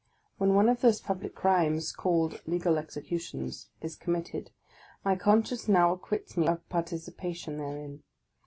When one of those public crimes called legal execu tions is committed, my conscience now acquits me of partici pation therein.